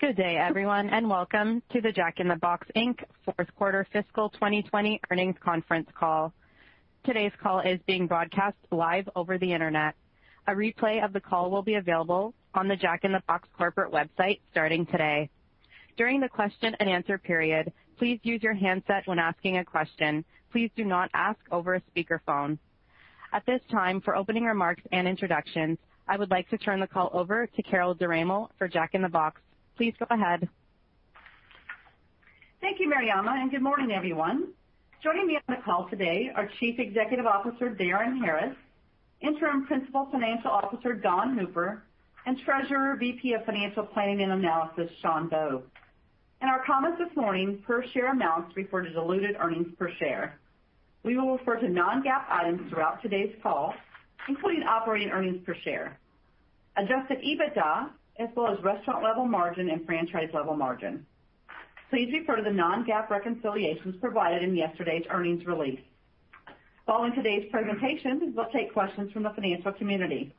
Good day, everyone, and welcome to the Jack in the Box, Inc. fourth quarter fiscal 2020 earnings conference call. Today's call is being broadcast live over the Internet. A replay of the call will be available on the Jack in the Box corporate website starting today. During the question-and-answer period, please use your handset when asking a question. Please do not ask over a speakerphone. At this time, for opening remarks and introductions, I would like to turn the call over to Carol DiRaimo for Jack in the Box. Please go ahead. Thank you, Mariama, and good morning, everyone. Joining me on the call today are Chief Executive Officer Darin Harris, Interim Principal Financial Officer Dawn Hooper, and Treasurer and VP of Financial Planning and Analysis Dawn Bogue. In our comments this morning, per share amounts refer to diluted earnings per share. We will refer to non-GAAP items throughout today's call, including operating earnings per share, Adjusted EBITDA, as well as restaurant-level margin and franchise-level margin. Please refer to the non-GAAP reconciliations provided in yesterday's earnings release. Following today's presentation, we'll take questions from the financial community.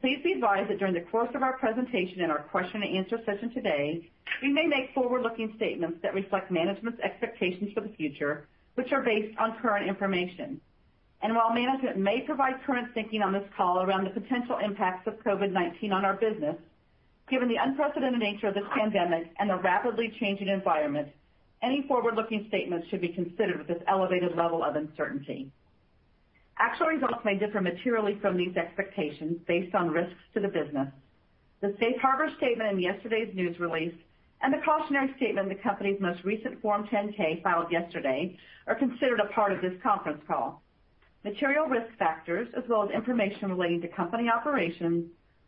Please be advised that during the course of our presentation and our question-and-answer session today, we may make forward-looking statements that reflect management's expectations for the future, which are based on current information. While management may provide current thinking on this call around the potential impacts of COVID-19 on our business, given the unprecedented nature of this pandemic and the rapidly changing environment, any forward-looking statements should be considered with this elevated level of uncertainty. Actual results may differ materially from these expectations based on risks to the business. The Safe Harbor statement in yesterday's news release and the cautionary statement in the company's most recent Form 10-K filed yesterday are considered a part of this conference call. Material risk factors, as well as information relating to company operations,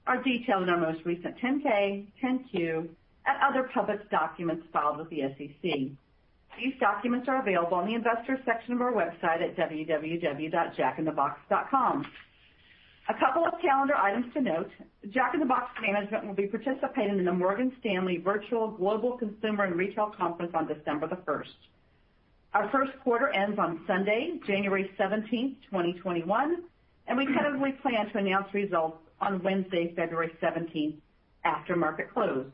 are detailed in our most recent 10-K, 10-Q, and other public documents filed with the SEC. These documents are available in the Investors section of our website at www.jackinthebox.com. A couple of calendar items to note: Jack in the Box management will be participating in a Morgan Stanley Virtual Global Consumer and Retail Conference on December 1st. Our first quarter ends on Sunday, January 17th, 2021, and we tentatively plan to announce results on Wednesday, February 17th, after market close.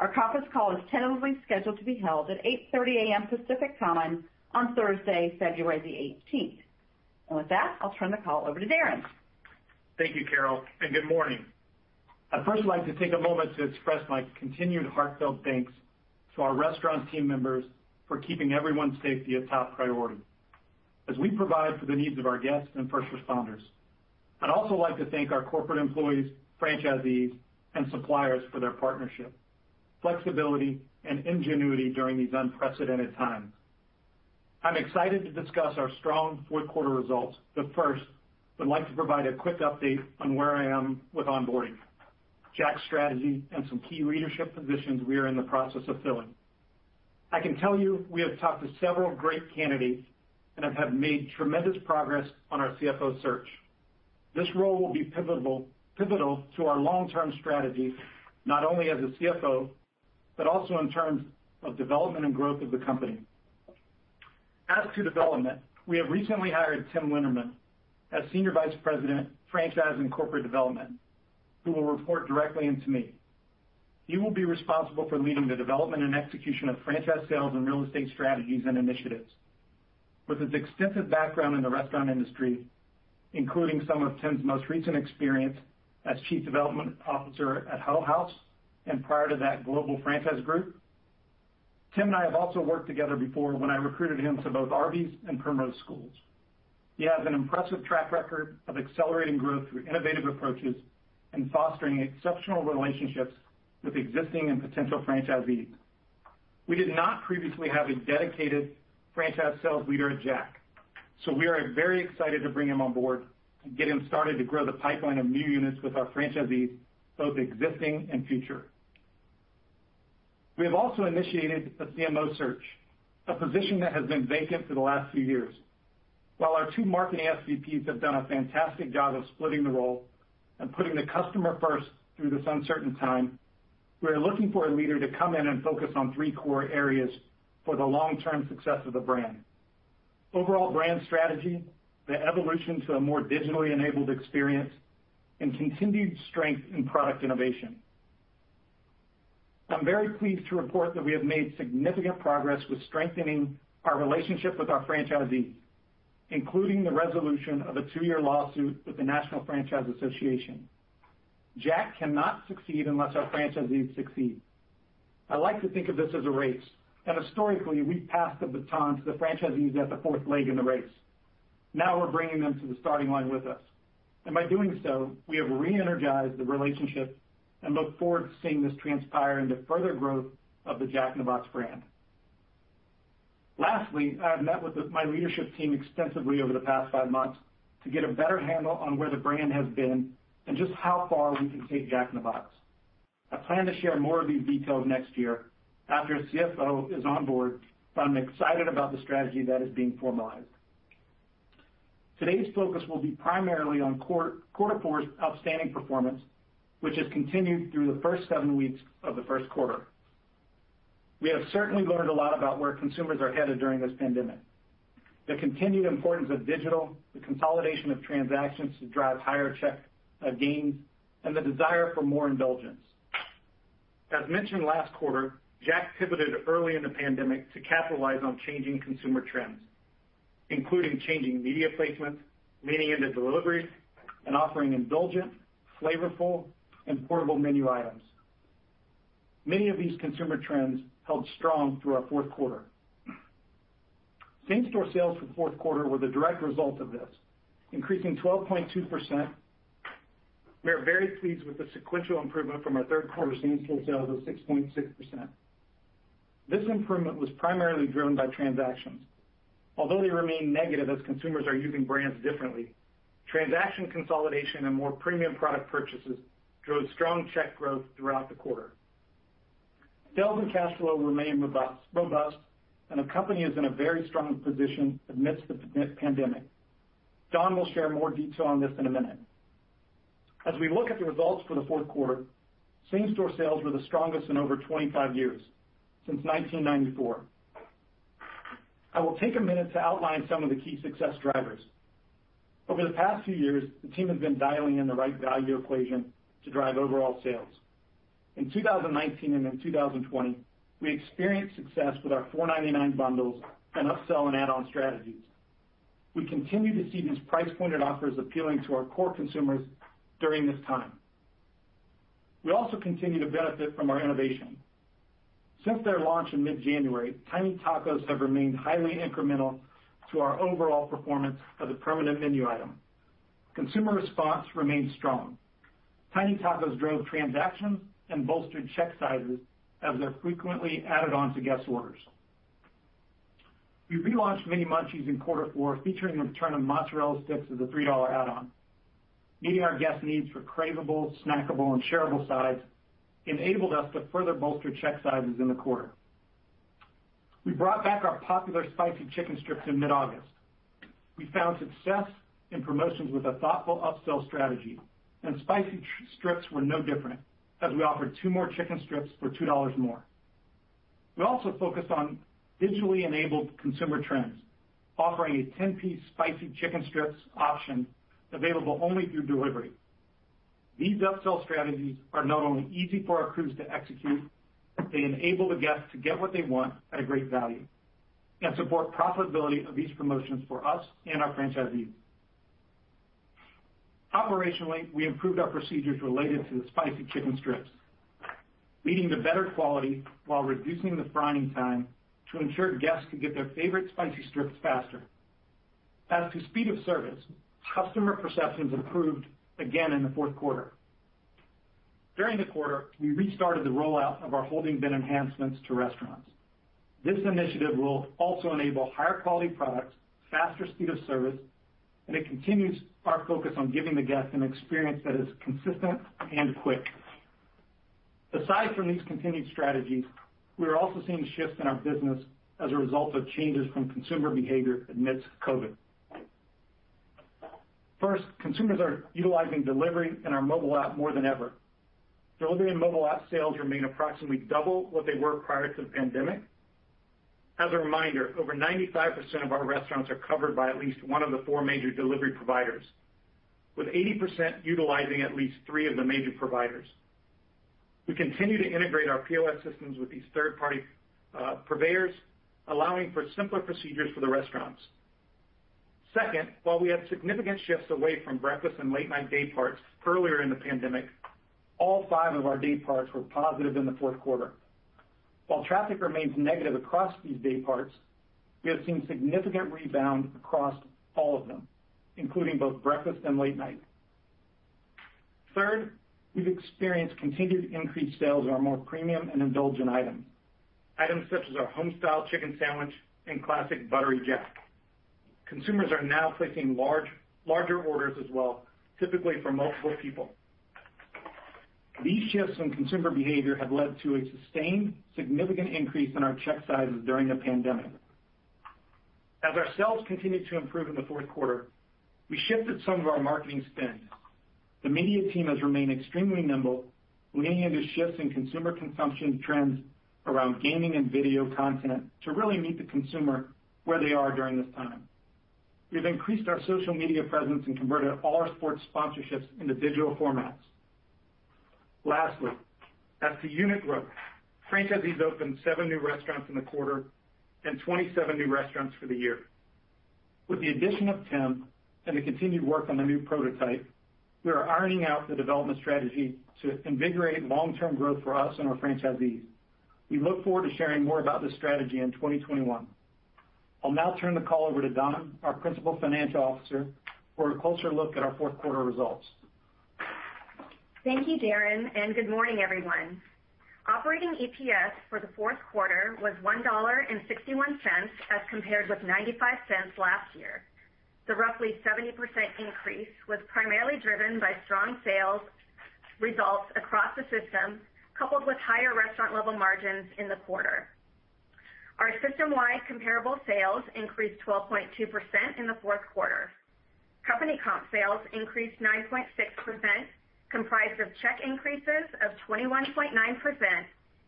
Our conference call is tentatively scheduled to be held at 8:30 A.M. Pacific Time on Thursday, February 18th. With that, I'll turn the call over to Darin. Thank you, Carol, and good morning. I'd first like to take a moment to express my continued heartfelt thanks to our restaurant team members for keeping everyone's safety a top priority as we provide for the needs of our guests and first responders. I'd also like to thank our corporate employees, franchisees, and suppliers for their partnership, flexibility, and ingenuity during these unprecedented times. I'm excited to discuss our strong fourth quarter results. But first, I'd like to provide a quick update on where I am with onboarding, Jack's strategy, and some key leadership positions we are in the process of filling. I can tell you we have talked to several great candidates and have made tremendous progress on our CFO search. This role will be pivotal to our long-term strategy, not only as a CFO but also in terms of development and growth of the company. As to development, we have recently hired Tim Linderman as Senior Vice President, Franchise and Corporate Development, who will report directly into me. He will be responsible for leading the development and execution of franchise sales and real estate strategies and initiatives. With his extensive background in the restaurant industry, including some of Tim's most recent experience as Chief Development Officer at Huddle House and prior to that, Global Franchise Group, Tim and I have also worked together before when I recruited him to both Arby's and Primrose Schools. He has an impressive track record of accelerating growth through innovative approaches and fostering exceptional relationships with existing and potential franchisees. We did not previously have a dedicated franchise sales leader at Jack, so we are very excited to bring him on board and get him started to grow the pipeline of new units with our franchisees, both existing and future. We have also initiated a CMO search, a position that has been vacant for the last few years. While our two marketing SVPs have done a fantastic job of splitting the role and putting the customer first through this uncertain time, we are looking for a leader to come in and focus on three core areas for the long-term success of the brand: overall brand strategy, the evolution to a more digitally enabled experience, and continued strength in product innovation. I'm very pleased to report that we have made significant progress with strengthening our relationship with our franchisees, including the resolution of a two-year lawsuit with the National Franchisee Association. Jack cannot succeed unless our franchisees succeed. I like to think of this as a race. Historically, we've passed the baton to the franchisees that are the fourth leg in the race. Now we're bringing them to the starting line with us. And by doing so, we have re-energized the relationship and look forward to seeing this transpire into further growth of the Jack in the Box brand. Lastly, I have met with my leadership team extensively over the past five months to get a better handle on where the brand has been and just how far we can take Jack in the Box. I plan to share more of these details next year after a CFO is on board, but I'm excited about the strategy that is being formalized. Today's focus will be primarily on quarter four's outstanding performance, which has continued through the first seven weeks of the first quarter. We have certainly learned a lot about where consumers are headed during this pandemic, the continued importance of digital, the consolidation of transactions to drive higher check gains, and the desire for more indulgence. As mentioned last quarter, Jack pivoted early in the pandemic to capitalize on changing consumer trends, including changing media placement, leaning into delivery, and offering indulgent, flavorful, and portable menu items. Many of these consumer trends held strong through our fourth quarter. Same-Store Sales for fourth quarter were the direct result of this, increasing 12.2%. We are very pleased with the sequential improvement from our third quarter same-store sales of 6.6%. This improvement was primarily driven by transactions. Although they remain negative as consumers are using brands differently, transaction consolidation and more premium product purchases drove strong check growth throughout the quarter. Sales and cash flow remain robust, and the company is in a very strong position amidst the pandemic. Dawn will share more detail on this in a minute. As we look at the results for the fourth quarter, same-store sales were the strongest in over 25 years since 1994. I will take a minute to outline some of the key success drivers. Over the past few years, the team has been dialing in the right value equation to drive overall sales. In 2019 and in 2020, we experienced success with our $4.99 bundles and upsell and add-on strategies. We continue to see these price-pointed offers appealing to our core consumers during this time. We also continue to benefit from our innovation. Since their launch in mid-January, Tiny Tacos have remained highly incremental to our overall performance of the permanent menu item. Consumer response remained strong. Tiny Tacos drove transactions and bolstered check sizes as they're frequently added on to guest orders. We relaunched Mini Munchies in quarter four, featuring the return of Mozzarella Sticks as a $3 add-on. Meeting our guests' needs for craveable, snackable, and shareable sides enabled us to further bolster check sizes in the quarter. We brought back our popular Spicy Chicken Strips in mid-August. We found success in promotions with a thoughtful upsell strategy, and spicy strips were no different as we offered 2 more chicken strips for $2 more. We also focused on digitally enabled consumer trends, offering a 10-piece Spicy Chicken Strips option available only through delivery. These upsell strategies are not only easy for our crews to execute. They enable the guests to get what they want at a great value and support profitability of these promotions for us and our franchisees. Operationally, we improved our procedures related to the Spicy Chicken Strips, leading to better quality while reducing the frying time to ensure guests could get their favorite spicy strips faster. As to speed of service, customer perceptions improved again in the fourth quarter. During the quarter, we restarted the rollout of our holding bin enhancements to restaurants. This initiative will also enable higher quality products, faster speed of service, and it continues our focus on giving the guests an experience that is consistent and quick. Aside from these continued strategies, we are also seeing shifts in our business as a result of changes from consumer behavior amidst COVID. First, consumers are utilizing delivery in our mobile app more than ever. Delivery and mobile app sales remain approximately double what they were prior to the pandemic. As a reminder, over 95% of our restaurants are covered by at least one of the four major delivery providers, with 80% utilizing at least three of the major providers. We continue to integrate our POS systems with these third-party purveyors, allowing for simpler procedures for the restaurants. Second, while we had significant shifts away from breakfast and late-night dayparts earlier in the pandemic, all five of our dayparts were positive in the fourth quarter. While traffic remains negative across these dayparts, we have seen significant rebound across all of them, including both breakfast and late-night. Third, we've experienced continued increased sales of our more premium and indulgent items, items such as our Homestyle Chicken Sandwich and Classic Buttery Jack. Consumers are now placing larger orders as well, typically for multiple people. These shifts in consumer behavior have led to a sustained, significant increase in our check sizes during the pandemic. As our sales continue to improve in the fourth quarter, we shifted some of our marketing spend. The media team has remained extremely nimble, leaning into shifts in consumer consumption trends around gaming and video content to really meet the consumer where they are during this time. We've increased our social media presence and converted all our sports sponsorships into digital formats. Lastly, as to unit growth, franchisees opened seven new restaurants in the quarter and 27 new restaurants for the year. With the addition of Tim and the continued work on the new prototype, we are ironing out the development strategy to invigorate long-term growth for us and our franchisees. We look forward to sharing more about this strategy in 2021. I'll now turn the call over to Dawn, our Principal Financial Officer, for a closer look at our fourth quarter results. Thank you, Darin, and good morning, everyone. Operating EPS for the fourth quarter was $1.61 as compared with $0.95 last year. The roughly 70% increase was primarily driven by strong sales results across the system, coupled with higher restaurant-level margins in the quarter. Our system-wide comparable sales increased 12.2% in the fourth quarter. Company comp sales increased 9.6%, comprised of check increases of 21.9%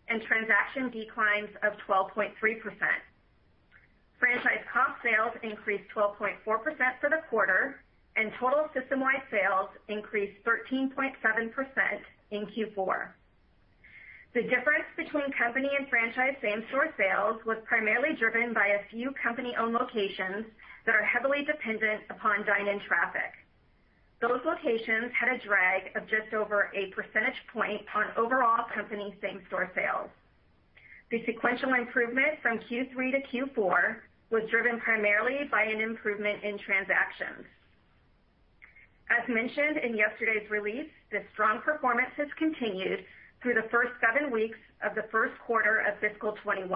and transaction declines of 12.3%. Franchise comp sales increased 12.4% for the quarter, and total system-wide sales increased 13.7% in Q4. The difference between company and franchise same-store sales was primarily driven by a few company-owned locations that are heavily dependent upon dine-in traffic. Those locations had a drag of just over a percentage point on overall company same-store sales. The sequential improvement from Q3 to Q4 was driven primarily by an improvement in transactions. As mentioned in yesterday's release, the strong performance has continued through the first seven weeks of the first quarter of fiscal 2021.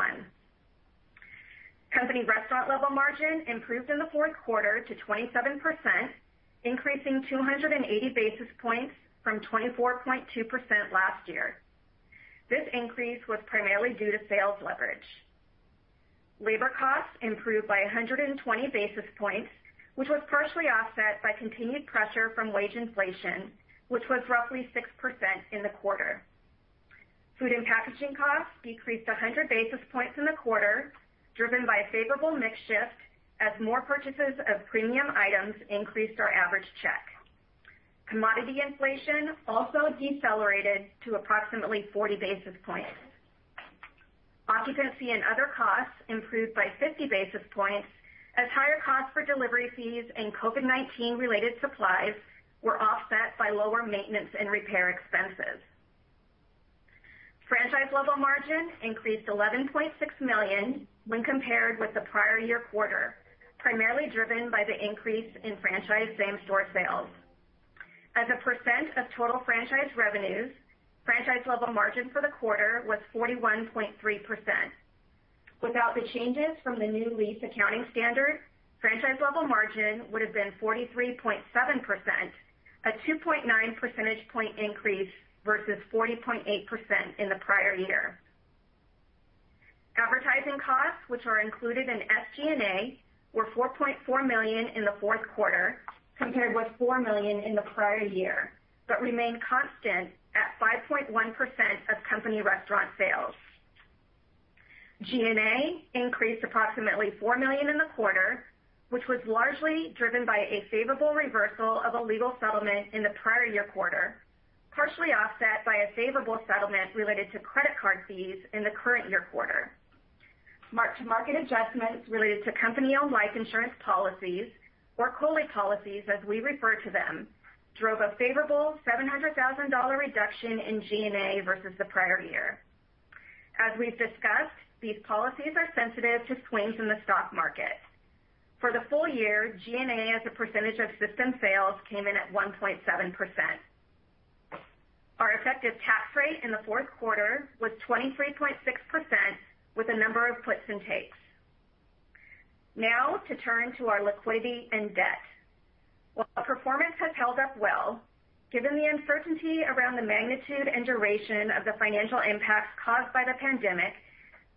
Company restaurant-level margin improved in the fourth quarter to 27%, increasing 280 basis points from 24.2% last year. This increase was primarily due to sales leverage. Labor costs improved by 120 basis points, which was partially offset by continued pressure from wage inflation, which was roughly 6% in the quarter. Food and packaging costs decreased 100 basis points in the quarter, driven by a favorable mix shift as more purchases of premium items increased our average check. Commodity inflation also decelerated to approximately 40 basis points. Occupancy and other costs improved by 50 basis points as higher costs for delivery fees and COVID-19-related supplies were offset by lower maintenance and repair expenses. Franchise-level margin increased $11.6 million when compared with the prior year quarter, primarily driven by the increase in franchise same-store sales. As a percent of total franchise revenues, franchise-level margin for the quarter was 41.3%. Without the changes from the new lease accounting standard, franchise-level margin would have been 43.7%, a 2.9 percentage point increase versus 40.8% in the prior year. Advertising costs, which are included in SG&A, were $4.4 million in the fourth quarter compared with $4 million in the prior year but remained constant at 5.1% of company restaurant sales. G&A increased approximately $4 million in the quarter, which was largely driven by a favorable reversal of a legal settlement in the prior year quarter, partially offset by a favorable settlement related to credit card fees in the current year quarter. Mark-to-market adjustments related to company-owned life insurance policies, or COLI policies as we refer to them, drove a favorable $700,000 reduction in G&A versus the prior year. As we've discussed, these policies are sensitive to swings in the stock market. For the full year, G&A as a percentage of system sales came in at 1.7%. Our effective tax rate in the fourth quarter was 23.6%, with a number of puts and takes. Now to turn to our liquidity and debt. While performance has held up well, given the uncertainty around the magnitude and duration of the financial impacts caused by the pandemic,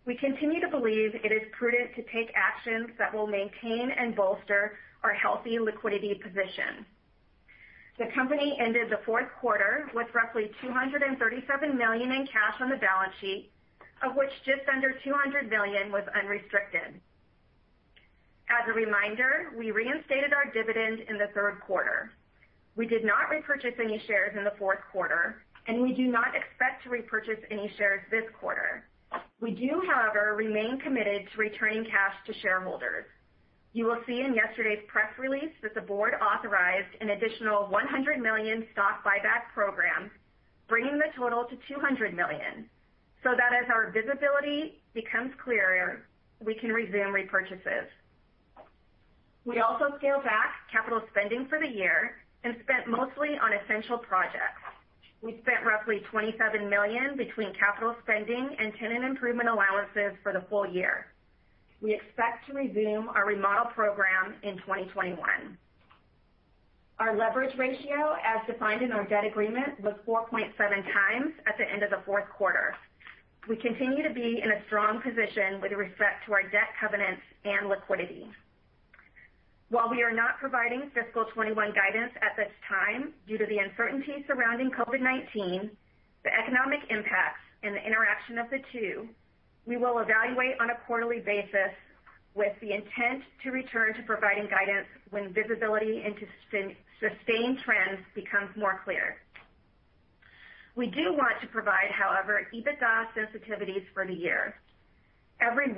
we continue to believe it is prudent to take actions that will maintain and bolster our healthy liquidity position. The company ended the fourth quarter with roughly $237 million in cash on the balance sheet, of which just under $200 million was unrestricted. As a reminder, we reinstated our dividend in the third quarter. We did not repurchase any shares in the fourth quarter, and we do not expect to repurchase any shares this quarter. We do, however, remain committed to returning cash to shareholders. You will see in yesterday's press release that the board authorized an additional $100 million stock buyback program, bringing the total to $200 million, so that as our visibility becomes clearer, we can resume repurchases. We also scaled back capital spending for the year and spent mostly on essential projects. We spent roughly $27 million between capital spending and tenant improvement allowances for the full year. We expect to resume our remodel program in 2021. Our leverage ratio, as defined in our debt agreement, was 4.7 times at the end of the fourth quarter. We continue to be in a strong position with respect to our debt covenants and liquidity. While we are not providing fiscal 2021 guidance at this time due to the uncertainty surrounding COVID-19, the economic impacts, and the interaction of the two, we will evaluate on a quarterly basis with the intent to return to providing guidance when visibility into sustained trends becomes more clear. We do want to provide, however, EBITDA sensitivities for the year. Every 1%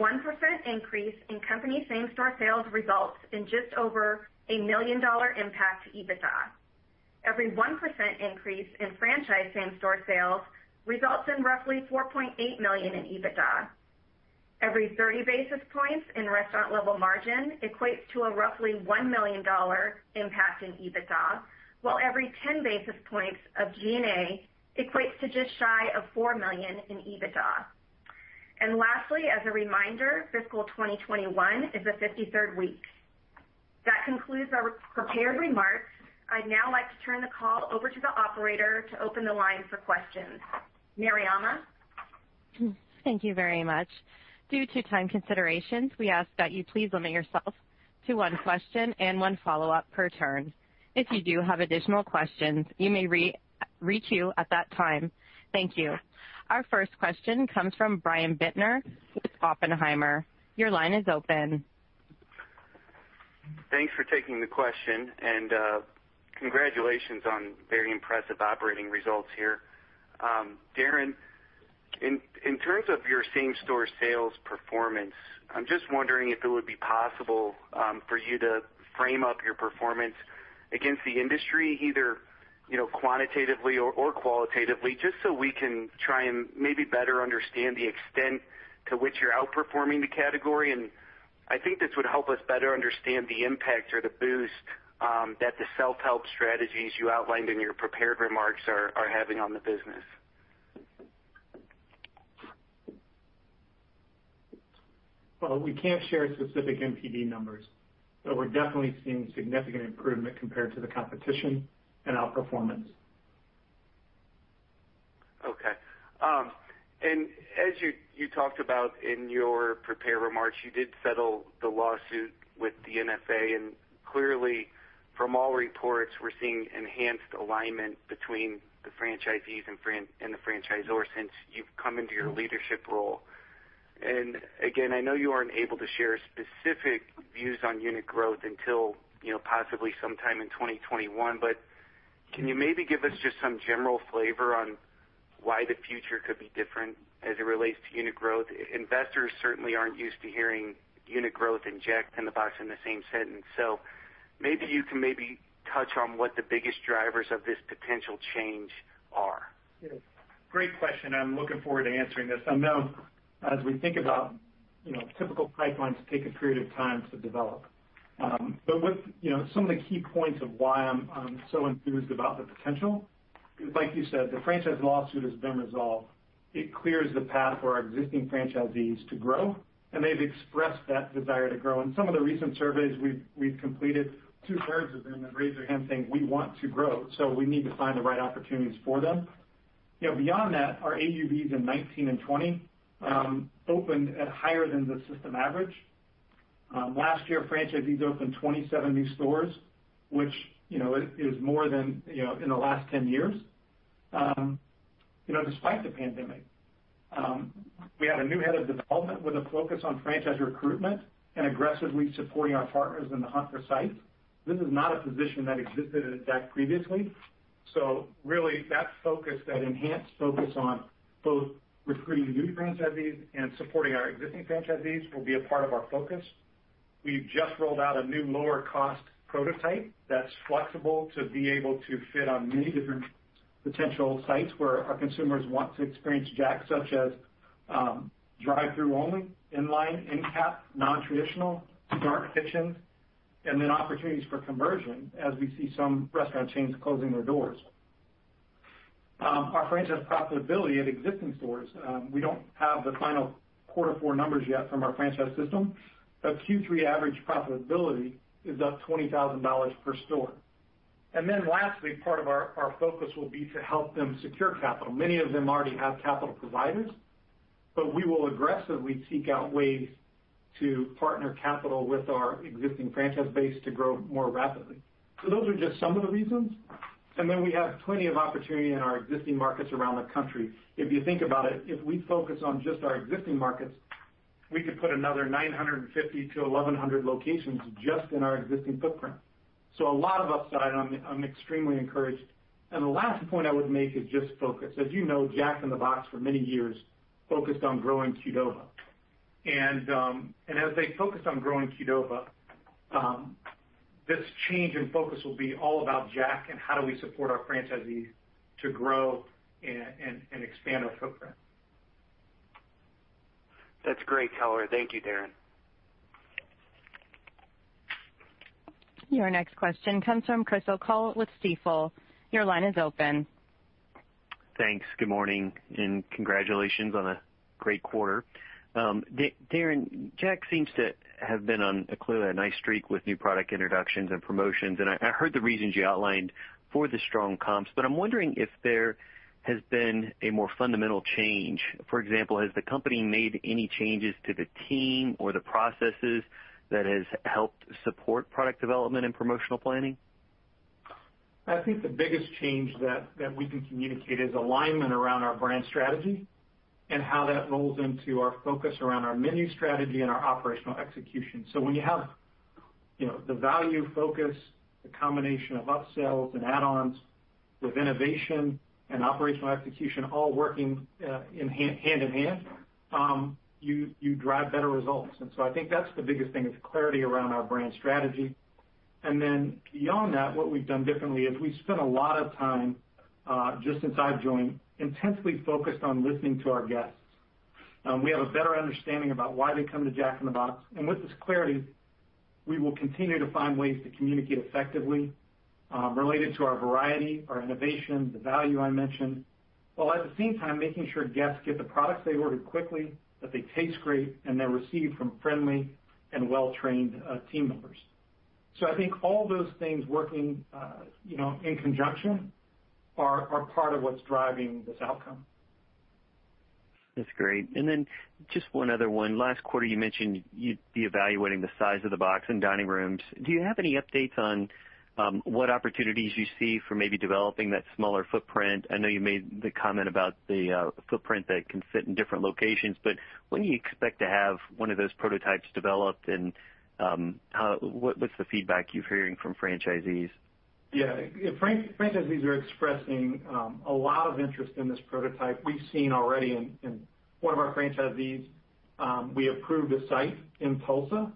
increase in company same-store sales results in just over $1 million impact to EBITDA. Every 1% increase in franchise same-store sales results in roughly $4.8 million in EBITDA. Every 30 basis points in restaurant-level margin equates to a roughly $1 million impact in EBITDA, while every 10 basis points of G&A equates to just shy of $4 million in EBITDA. And lastly, as a reminder, fiscal 2021 is the 53rd week. That concludes our prepared remarks. I'd now like to turn the call over to the operator to open the line for questions. Mariama. Thank you very much. Due to time considerations, we ask that you please limit yourself to one question and one follow-up per turn. If you do have additional questions, you may reach us at that time. Thank you. Our first question comes from Brian Bittner with Oppenheimer. Your line is open. Thanks for taking the question, and congratulations on very impressive operating results here. Darin, in terms of your same-store sales performance, I'm just wondering if it would be possible for you to frame up your performance against the industry, either quantitatively or qualitatively, just so we can try and maybe better understand the extent to which you're outperforming the category. I think this would help us better understand the impact or the boost that the self-help strategies you outlined in your prepared remarks are having on the business. Well, we can't share specific NPD numbers, but we're definitely seeing significant improvement compared to the competition and outperformance. Okay. And as you talked about in your prepared remarks, you did settle the lawsuit with the NFA. And clearly, from all reports, we're seeing enhanced alignment between the franchisees and the franchisor since you've come into your leadership role. And again, I know you aren't able to share specific views on unit growth until possibly sometime in 2021, but can you maybe give us just some general flavor on why the future could be different as it relates to unit growth? Investors certainly aren't used to hearing unit growth Jack in the Box in the same sentence. So maybe you can maybe touch on what the biggest drivers of this potential change are. Great question. I'm looking forward to answering this. I know as we think about typical pipelines, it takes a period of time to develop. But some of the key points of why I'm so enthused about the potential, like you said, the franchise lawsuit has been resolved. It clears the path for our existing franchisees to grow, and they've expressed that desire to grow. In some of the recent surveys we've completed, two-thirds of them have raised their hand saying, "We want to grow, so we need to find the right opportunities for them." Beyond that, our AUVs in 2019 and 2020 opened at higher than the system average. Last year, franchisees opened 27 new stores, which is more than in the last 10 years, despite the pandemic. We have a new head of development with a focus on franchise recruitment and aggressively supporting our partners in the hunt for sites. This is not a position that existed in Jack previously. So really, that enhanced focus on both recruiting new franchisees and supporting our existing franchisees will be a part of our focus. We've just rolled out a new lower-cost prototype that's flexible to be able to fit on many different potential sites where our consumers want to experience Jack, such as drive-through-only, in-line, end-cap, non-traditional, dark kitchens, and then opportunities for conversion as we see some restaurant chains closing their doors. Our franchise profitability at existing stores we don't have the final Q4 numbers yet from our franchise system, but Q3 average profitability is up $20,000 per store. And then lastly, part of our focus will be to help them secure capital. Many of them already have capital providers, but we will aggressively seek out ways to partner capital with our existing franchise base to grow more rapidly. So those are just some of the reasons. And then we have plenty of opportunity in our existing markets around the country. If you think about it, if we focus on just our existing markets, we could put another 950-1,100 locations just in our existing footprint. So a lot of upside. I'm extremely encouraged. And the last point I would make is just focus. As you know, Jack in the Box for many years focused on growing Qdoba. And as they focus on growing Qdoba, this change in focus will be all about Jack and how do we support our franchisees to grow and expand our footprint. That's great, color. Thank you, Darin. Your next question comes from Chris O'Cull with Stifel. Your line is open. Thanks. Good morning and congratulations on a great quarter. Darin, Jack seems to have been on a clearly nice streak with new product introductions and promotions. I heard the reasons you outlined for the strong comps, but I'm wondering if there has been a more fundamental change. For example, has the company made any changes to the team or the processes that has helped support product development and promotional planning? I think the biggest change that we can communicate is alignment around our brand strategy and how that rolls into our focus around our menu strategy and our operational execution. So when you have the value focus, the combination of upsells and add-ons with innovation and operational execution all working hand in hand, you drive better results. And so I think that's the biggest thing, is clarity around our brand strategy. And then beyond that, what we've done differently is we spent a lot of time, just since I've joined, intensely focused on listening to our guests. We have a better understanding about why they come to Jack in the Box. With this clarity, we will continue to find ways to communicate effectively related to our variety, our innovation, the value I mentioned, while at the same time making sure guests get the products they order quickly, that they taste great, and they're received from friendly and well-trained team members. I think all those things working in conjunction are part of what's driving this outcome. That's great. And then just one other one. Last quarter, you mentioned you'd be evaluating the size of the box and dining rooms. Do you have any updates on what opportunities you see for maybe developing that smaller footprint? I know you made the comment about the footprint that can fit in different locations, but when do you expect to have one of those prototypes developed, and what's the feedback you're hearing from franchisees? Yeah. Franchisees are expressing a lot of interest in this prototype. We've seen already in one of our franchisees, we approved a site in Tulsa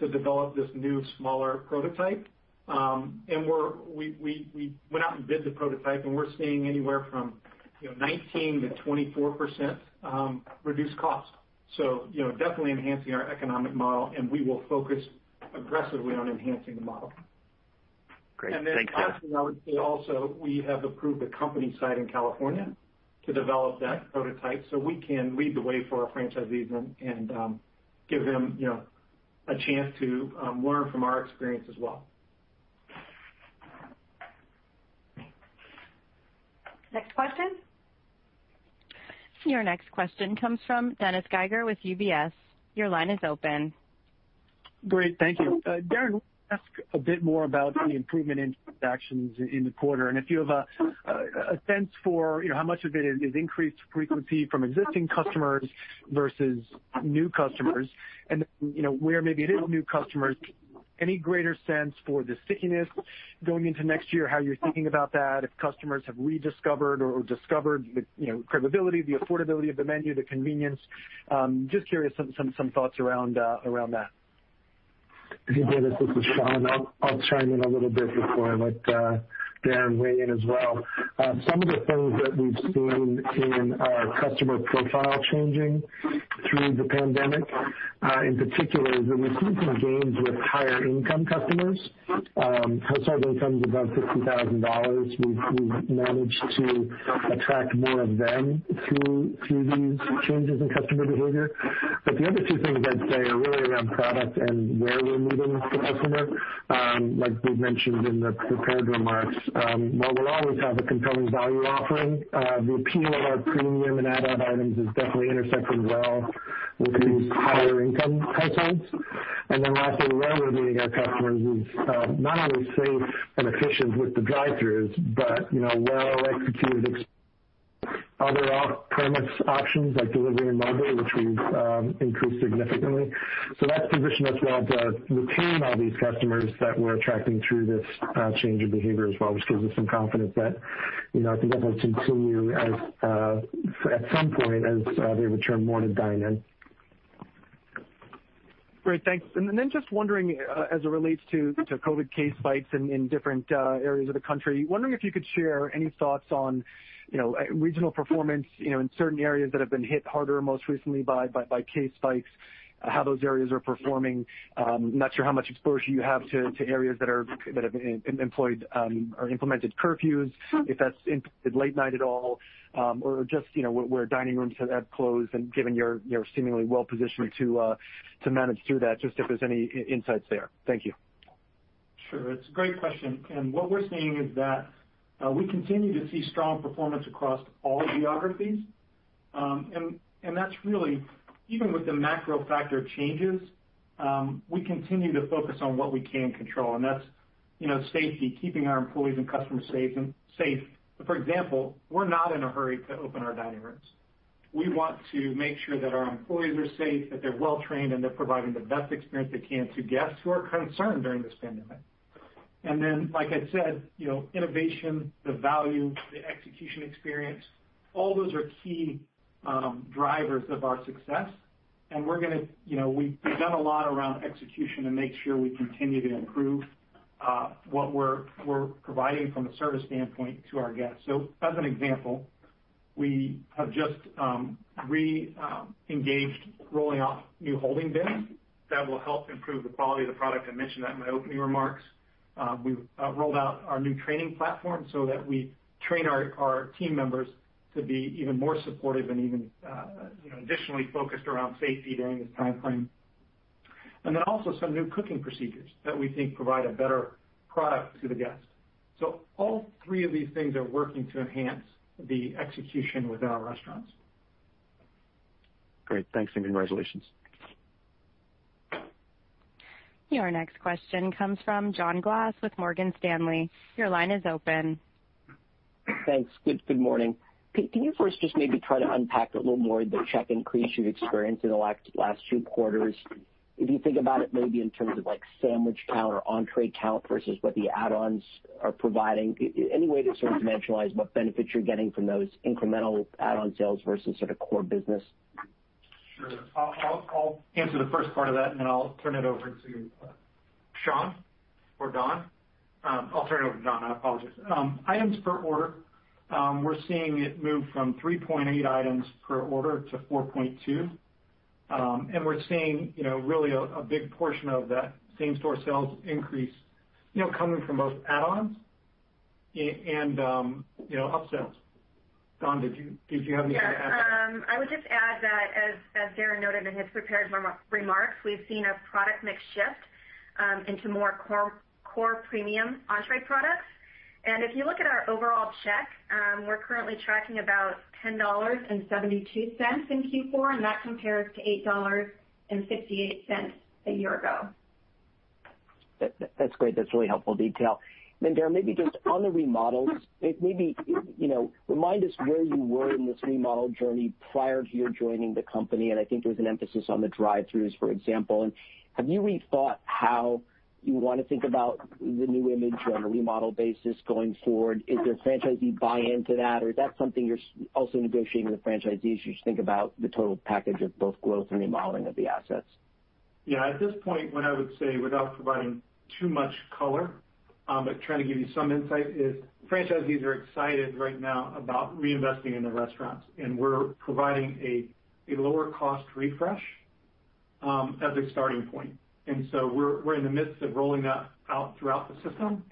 to develop this new smaller prototype. And we went out and bid the prototype, and we're seeing anywhere from 19%-24% reduced cost. So definitely enhancing our economic model, and we will focus aggressively on enhancing the model. Great. Thanks, Jack. And then lastly, I would say also, we have approved a company site in California to develop that prototype so we can lead the way for our franchisees and give them a chance to learn from our experience as well. Next question. Your next question comes from Dennis Geiger with UBS. Your line is open. Great. Thank you. Darin, let me ask a bit more about the improvement in transactions in the quarter and if you have a sense for how much of it is increased frequency from existing customers versus new customers and then where maybe it is new customers. Any greater sense for the stickiness going into next year, how you're thinking about that, if customers have rediscovered or discovered the credibility, the affordability of the menu, the convenience? Just curious some thoughts around that. Hey, Dennis. This is Dawn. I'll chime in a little bit before I let Darin weigh in as well. Some of the things that we've seen in our customer profile changing through the pandemic, in particular, is that we've seen some gains with higher-income customers. Household incomes above $50,000, we've managed to attract more of them through these changes in customer behavior. But the other two things I'd say are really around product and where we're meeting the customer. Like we've mentioned in the prepared remarks, while we'll always have a compelling value offering, the appeal of our premium and add-on items is definitely intersecting well with these higher-income households. And then lastly, where we're meeting our customers is not only safe and efficient with the drive-throughs but well-executed other off-premise options like delivery and mobile, which we've increased significantly. That's positioned us well to retain all these customers that we're attracting through this change in behavior as well, which gives us some confidence that it can definitely continue at some point as they return more to dine-in. Great. Thanks. And then just wondering, as it relates to COVID case spikes in different areas of the country, wondering if you could share any thoughts on regional performance in certain areas that have been hit harder most recently by case spikes, how those areas are performing. Not sure how much exposure you have to areas that have employed or implemented curfews, if that's impacted late-night at all, or just where dining rooms have closed and given you're seemingly well-positioned to manage through that, just if there's any insights there. Thank you. Sure. It's a great question. And what we're seeing is that we continue to see strong performance across all geographies. And that's really even with the macro factor changes, we continue to focus on what we can control. And that's safety, keeping our employees and customers safe. For example, we're not in a hurry to open our dining rooms. We want to make sure that our employees are safe, that they're well-trained, and they're providing the best experience they can to guests who are concerned during this pandemic. And then, like I said, innovation, the value, the execution experience, all those are key drivers of our success. And we've done a lot around execution to make sure we continue to improve what we're providing from a service standpoint to our guests. As an example, we have just re-engaged rolling out new holding bins that will help improve the quality of the product. I mentioned that in my opening remarks. We've rolled out our new training platform so that we train our team members to be even more supportive and even additionally focused around safety during this time frame. Then also some new cooking procedures that we think provide a better product to the guest. All three of these things are working to enhance the execution within our restaurants. Great. Thanks and congratulations. Your next question comes from John Glass with Morgan Stanley. Your line is open. Thanks. Good morning. Can you first just maybe try to unpack a little more the check average increase you've experienced in the last two quarters? If you think about it maybe in terms of sandwich count or entrée count versus what the add-ons are providing, any way to sort of dimensionalize what benefits you're getting from those incremental add-on sales versus sort of core business? Sure. I'll answer the first part of that, and then I'll turn it over to Dawn or Dawn. I'll turn it over to Dawn. I apologize. Items per order. We're seeing it move from 3.8 items per order to 4.2. And we're seeing really a big portion of that same-store sales increase coming from both add-ons and upsells. Dawn, did you have anything to add to that? Yeah. I would just add that, as Darin noted in his prepared remarks, we've seen a product-mix shift into more core premium entrée products. If you look at our overall check, we're currently tracking about $10.72 in Q4, and that compares to $8.58 a year ago. That's great. That's really helpful detail. And then, Darin, maybe just on the remodels, maybe remind us where you were in this remodel journey prior to your joining the company. And I think there was an emphasis on the drive-throughs, for example. And have you rethought how you want to think about the new image on a remodel basis going forward? Is there franchisee buy-in to that, or is that something you're also negotiating with franchisees as you think about the total package of both growth and remodeling of the assets? Yeah. At this point, what I would say without providing too much color but trying to give you some insight is franchisees are excited right now about reinvesting in their restaurants. And we're providing a lower-cost refresh as a starting point. And so we're in the midst of rolling that out throughout the system.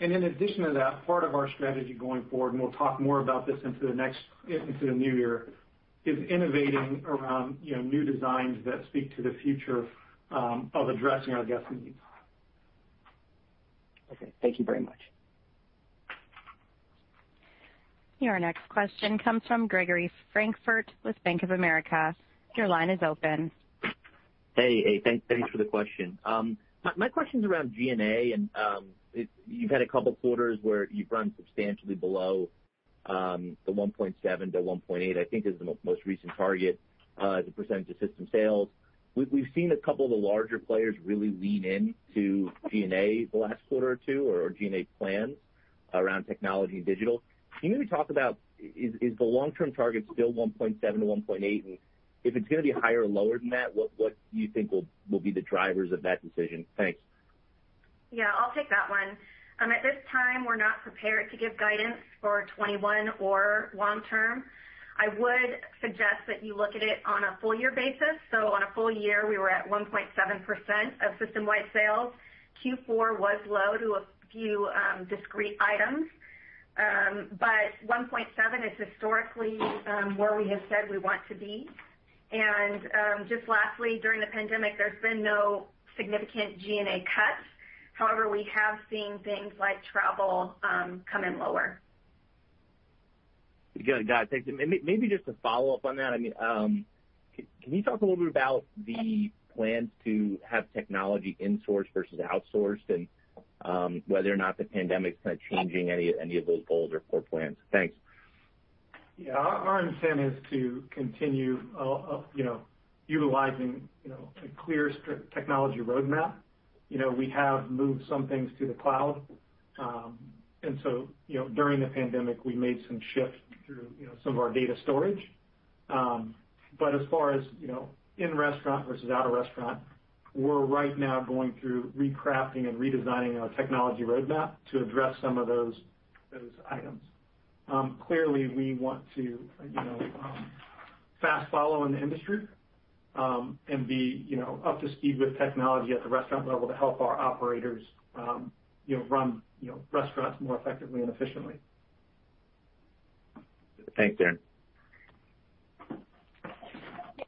And in addition to that, part of our strategy going forward - and we'll talk more about this into the new year - is innovating around new designs that speak to the future of addressing our guests' needs. Okay. Thank you very much. Your next question comes from Gregory Francfort with Bank of America. Your line is open. Hey. Hey. Thanks for the question. My question's around G&A. And you've had a couple quarters where you've run substantially below the 1.7%-1.8%, I think, is the most recent target as a percentage of system sales. We've seen a couple of the larger players really lean in to G&A the last quarter or two or G&A plans around technology and digital. Can you maybe talk about is the long-term target still 1.7%-1.8%? And if it's going to be higher or lower than that, what do you think will be the drivers of that decision? Thanks. Yeah. I'll take that one. At this time, we're not prepared to give guidance for 2021 or long-term. I would suggest that you look at it on a full-year basis. So on a full year, we were at 1.7% of system-wide sales. Q4 was low to a few discrete items. But 1.7 is historically where we have said we want to be. And just lastly, during the pandemic, there's been no significant G&A cuts. However, we have seen things like travel come in lower. Good. Got it. Thanks. Maybe just to follow up on that, I mean, can you talk a little bit about the plans to have technology in-sourced versus outsourced and whether or not the pandemic's kind of changing any of those goals or core plans? Thanks. Yeah. Our intent is to continue utilizing a clear technology roadmap. We have moved some things to the cloud. And so during the pandemic, we made some shifts through some of our data storage. But as far as in-restaurant versus out-of-restaurant, we're right now going through recrafting and redesigning our technology roadmap to address some of those items. Clearly, we want to fast-follow in the industry and be up to speed with technology at the restaurant level to help our operators run restaurants more effectively and efficiently. Thanks, Darin.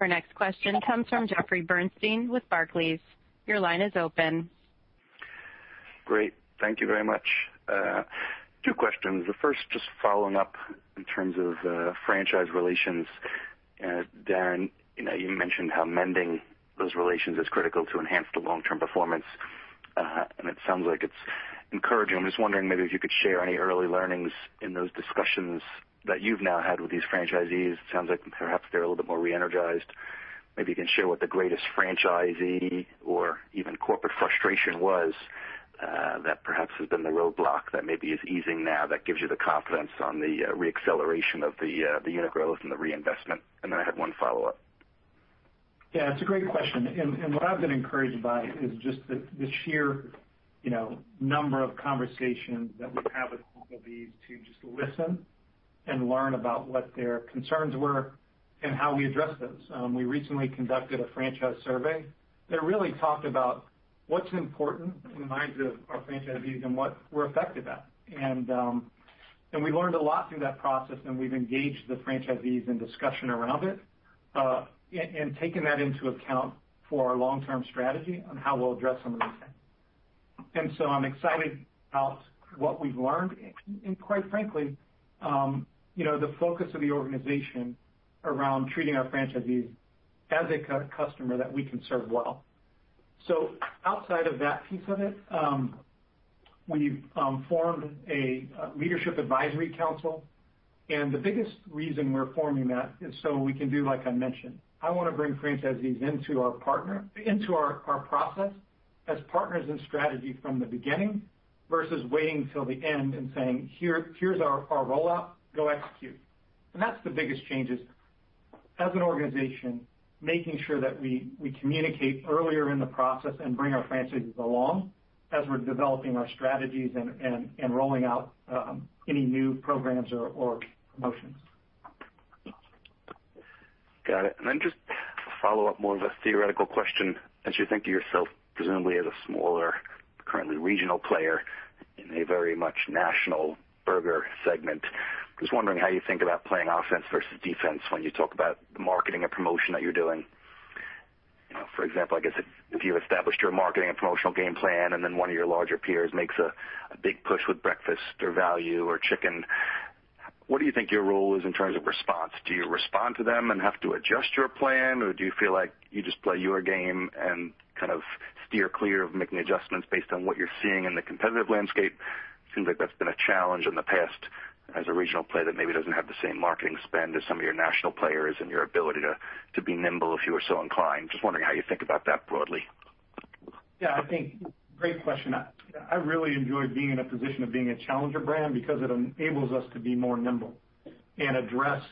Your next question comes from Jeffrey Bernstein with Barclays. Your line is open. Great. Thank you very much. Two questions. The first, just following up in terms of franchise relations. Darin, you mentioned how mending those relations is critical to enhance the long-term performance. And it sounds like it's encouraging. I'm just wondering maybe if you could share any early learnings in those discussions that you've now had with these franchisees. It sounds like perhaps they're a little bit more re-energized. Maybe you can share what the greatest franchisee or even corporate frustration was that perhaps has been the roadblock that maybe is easing now, that gives you the confidence on the re-acceleration of the unit growth and the reinvestment. And then I had one follow-up. Yeah. It's a great question. And what I've been encouraged by is just the sheer number of conversations that we have with franchisees to just listen and learn about what their concerns were and how we addressed those. We recently conducted a franchise survey that really talked about what's important in the minds of our franchisees and what we're effective at. And we learned a lot through that process, and we've engaged the franchisees in discussion around it and taken that into account for our long-term strategy on how we'll address some of these things. And so I'm excited about what we've learned. And quite frankly, the focus of the organization around treating our franchisees as a customer that we can serve well. So outside of that piece of it, we've formed a leadership advisory council. And the biggest reason we're forming that is so we can do, like I mentioned, I want to bring franchisees into our process as partners in strategy from the beginning versus waiting till the end and saying, "Here's our rollout. Go execute." And that's the biggest change, is as an organization, making sure that we communicate earlier in the process and bring our franchisees along as we're developing our strategies and rolling out any new programs or promotions. Got it. Then just a follow-up, more of a theoretical question, as you think of yourself presumably as a smaller, currently regional player in a very much national burger segment. I'm just wondering how you think about playing offense versus defense when you talk about the marketing and promotion that you're doing. For example, I guess if you've established your marketing and promotional game plan, and then one of your larger peers makes a big push with breakfast or value or chicken, what do you think your role is in terms of response? Do you respond to them and have to adjust your plan, or do you feel like you just play your game and kind of steer clear of making adjustments based on what you're seeing in the competitive landscape? It seems like that's been a challenge in the past as a regional player that maybe doesn't have the same marketing spend as some of your national players and your ability to be nimble if you were so inclined. Just wondering how you think about that broadly. Yeah. Great question. I really enjoy being in a position of being a challenger brand because it enables us to be more nimble and address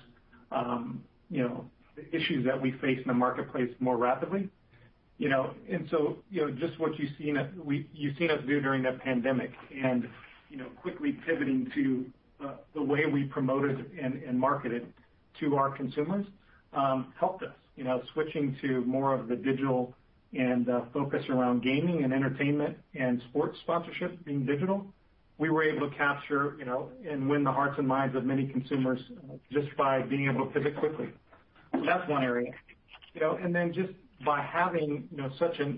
the issues that we face in the marketplace more rapidly. And so just what you've seen us do during the pandemic and quickly pivoting to the way we promoted and marketed to our consumers helped us. Switching to more of the digital and focus around gaming and entertainment and sports sponsorship being digital, we were able to capture and win the hearts and minds of many consumers just by being able to pivot quickly. So that's one area. And then just by having such a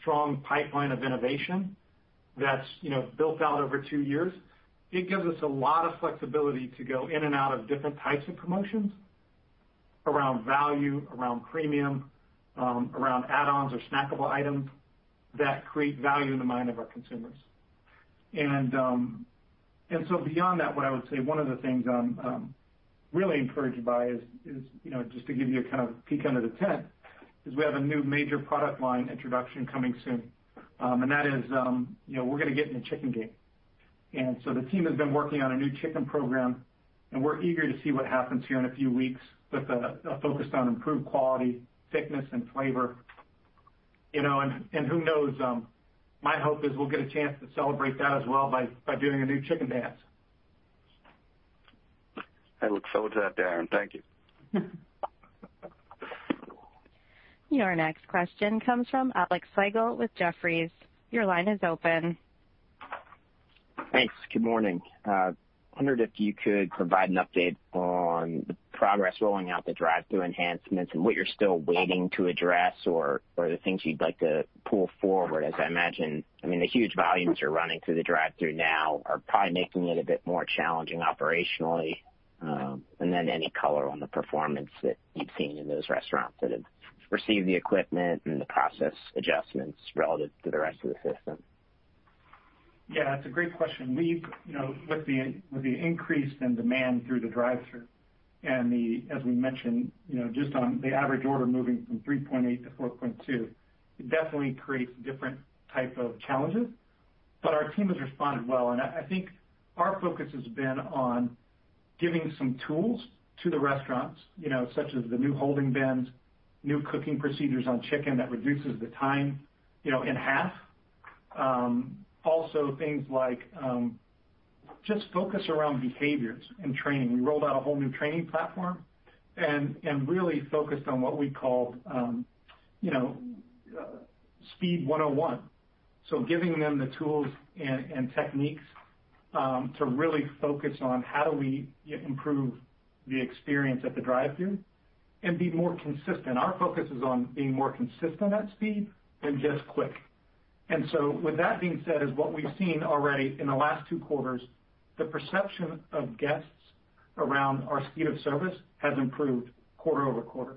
strong pipeline of innovation that's built out over two years, it gives us a lot of flexibility to go in and out of different types of promotions around value, around premium, around add-ons or snackable items that create value in the mind of our consumers. And so beyond that, what I would say one of the things I'm really encouraged by is just to give you a kind of peek under the tent is we have a new major product line introduction coming soon. And that is we're going to get in the chicken game. And so the team has been working on a new chicken program, and we're eager to see what happens here in a few weeks with a focus on improved quality, thickness, and flavor. And who knows? My hope is we'll get a chance to celebrate that as well by doing a new chicken dance. I look forward to that, Darin. Thank you. Your next question comes from Alex Slagle with Jefferies. Your line is open. Thanks. Good morning. I wondered if you could provide an update on the progress rolling out the drive-through enhancements and what you're still waiting to address or the things you'd like to pull forward. As I imagine, I mean, the huge volumes you're running through the drive-through now are probably making it a bit more challenging operationally. And then any color on the performance that you've seen in those restaurants that have received the equipment and the process adjustments relative to the rest of the system. Yeah. That's a great question. With the increase in demand through the drive-through and the, as we mentioned, just on the average order moving from 3.8 to 4.2, it definitely creates different types of challenges. But our team has responded well. And I think our focus has been on giving some tools to the restaurants such as the new holding bins, new cooking procedures on chicken that reduces the time in half. Also, things like just focus around behaviors and training. We rolled out a whole new training platform and really focused on what we called Speed 101. So giving them the tools and techniques to really focus on how do we improve the experience at the drive-through and be more consistent. Our focus is on being more consistent at speed than just quick. And so with that being said, is what we've seen already in the last two quarters. The perception of guests around our speed of service has improved quarter-over-quarter.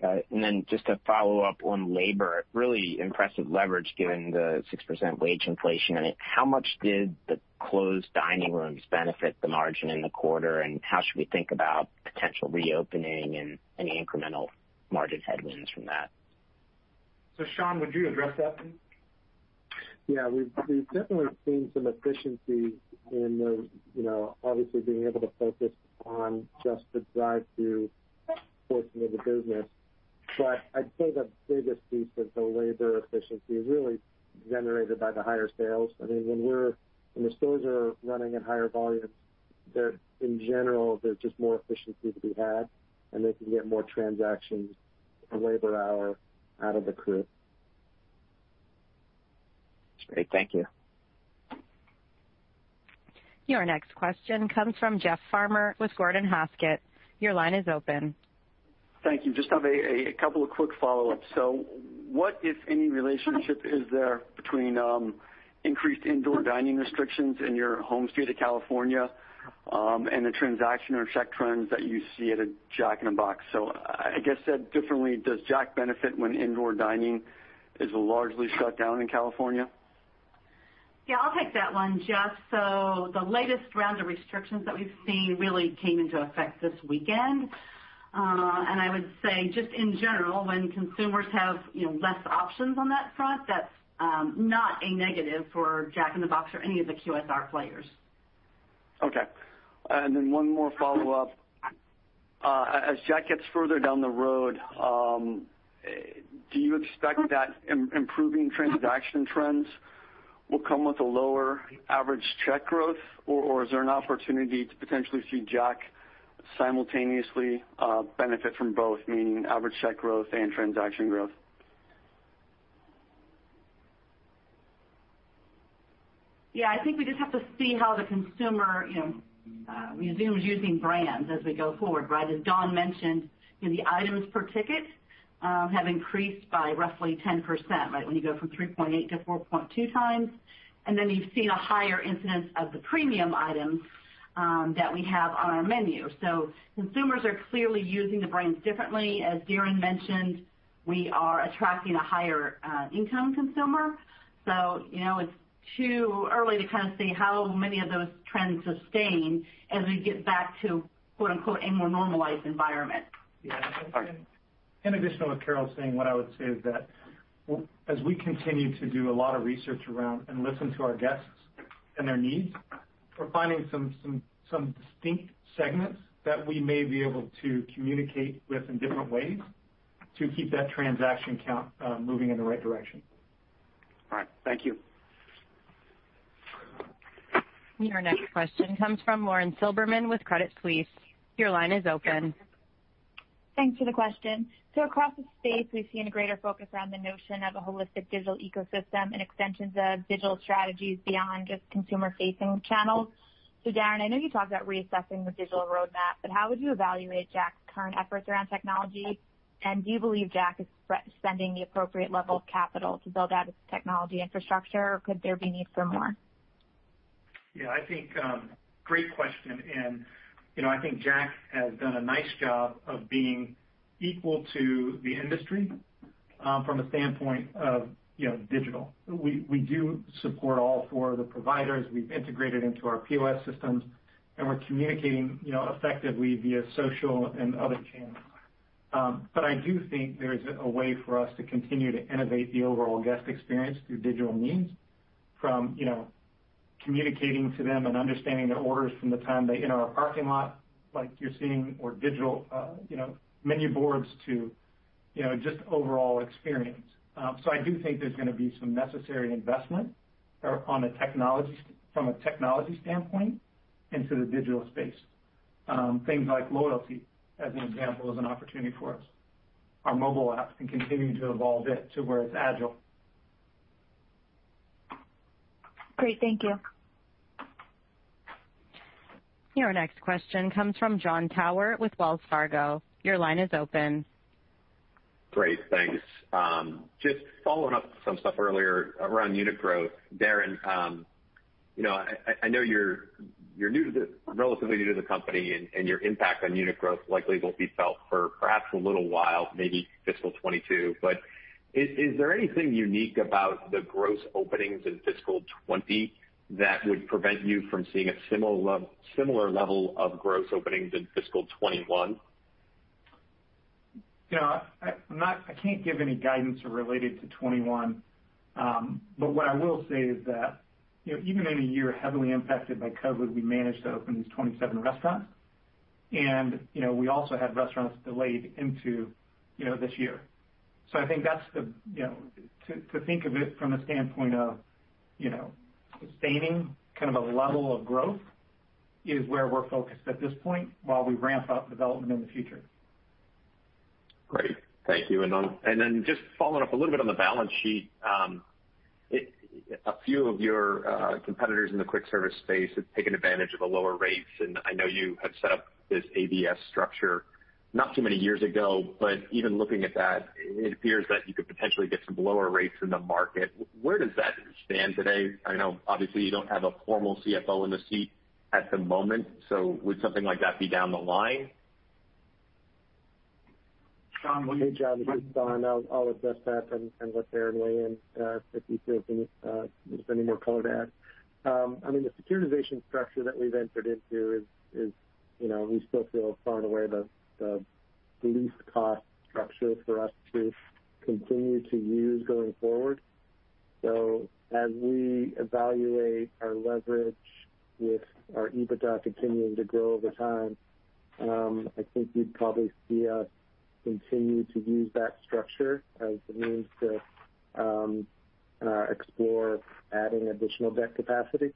Got it. Just to follow up on labor, really impressive leverage given the 6% wage inflation. I mean, how much did the closed dining rooms benefit the margin in the quarter? And how should we think about potential reopening and any incremental margin headwinds from that? So Dawn, would you address that for me? Yeah. We've definitely seen some efficiencies in obviously being able to focus on just the drive-through portion of the business. But I'd say the biggest piece of the labor efficiency is really generated by the higher sales. I mean, when the stores are running at higher volumes, in general, there's just more efficiency to be had, and they can get more transactions per labor hour out of the crew. That's great. Thank you. Your next question comes from Jeff Farmer with Gordon Haskett. Your line is open. Thank you. Just have a couple of quick follow-ups. So what, if any, relationship is there between increased indoor dining restrictions in your home state of California and the transaction or check trends that you see at a Jack in the Box? So I guess said differently, does Jack benefit when indoor dining is largely shut down in California? Yeah. I'll take that one, Jeff. So the latest round of restrictions that we've seen really came into effect this weekend. And I would say just in general, when consumers have less options on that front, that's not a negative for Jack in the Box or any of the QSR players. Okay. And then one more follow-up. As Jack gets further down the road, do you expect that improving transaction trends will come with a lower average check growth, or is there an opportunity to potentially see Jack simultaneously benefit from both, meaning average check growth and transaction growth? Yeah. I think we just have to see how the consumer resumes using brands as we go forward, right? As Dawn mentioned, the items per ticket have increased by roughly 10%, right, when you go from 3.8-4.2 times. And then you've seen a higher incidence of the premium items that we have on our menu. So consumers are clearly using the brands differently. As Darin mentioned, we are attracting a higher-income consumer. So it's too early to kind of see how many of those trends sustain as we get back to "a more normalized environment. Yeah. In addition to what Carol's saying, what I would say is that as we continue to do a lot of research around and listen to our guests and their needs, we're finding some distinct segments that we may be able to communicate with in different ways to keep that transaction count moving in the right direction. All right. Thank you. Your next question comes from Lauren Silberman with Credit Suisse. Your line is open. Thanks for the question. So across the state, we've seen a greater focus around the notion of a holistic digital ecosystem and extensions of digital strategies beyond just consumer-facing channels. So Darin, I know you talked about reassessing the digital roadmap, but how would you evaluate Jack's current efforts around technology? And do you believe Jack is spending the appropriate level of capital to build out his technology infrastructure, or could there be need for more? Yeah. Great question. And I think Jack has done a nice job of being equal to the industry from a standpoint of digital. We do support all four of the providers. We've integrated into our POS systems, and we're communicating effectively via social and other channels. But I do think there is a way for us to continue to innovate the overall guest experience through digital means from communicating to them and understanding their orders from the time they enter our parking lot like you're seeing or digital menu boards to just overall experience. So I do think there's going to be some necessary investment from a technology standpoint into the digital space. Things like loyalty, as an example, is an opportunity for us. Our mobile app can continue to evolve it to where it's agile. Great. Thank you. Your next question comes from Jon Tower with Wells Fargo. Your line is open. Great. Thanks. Just following up some stuff earlier around unit growth, Darin, I know you're relatively new to the company, and your impact on unit growth likely will be felt for perhaps a little while, maybe Fiscal 2022. But is there anything unique about the gross openings in Fiscal 2020 that would prevent you from seeing a similar level of gross openings in Fiscal 2021? I can't give any guidance related to 2021. But what I will say is that even in a year heavily impacted by COVID, we managed to open these 27 restaurants. And we also had restaurants delayed into this year. So I think that's the way to think of it from the standpoint of sustaining kind of a level of growth is where we're focused at this point while we ramp up development in the future. Great. Thank you. And then just following up a little bit on the balance sheet, a few of your competitors in the quick service space have taken advantage of the lower rates. And I know you had set up this ABS structure not too many years ago. But even looking at that, it appears that you could potentially get some lower rates in the market. Where does that stand today? I know, obviously, you don't have a formal CFO in the seat at the moment. So would something like that be down the line? Dawn, will you? Hey, Travis. It's Dawn. I'll address that and let Darin weigh in if he feels there's any more color to add. I mean, the securitization structure that we've entered into is we still feel far and away the least cost structure for us to continue to use going forward. So as we evaluate our leverage with our EBITDA continuing to grow over time, I think you'd probably see us continue to use that structure as a means to explore adding additional debt capacity.